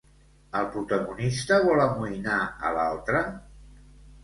El protagonista vol amoïnar a l'altre?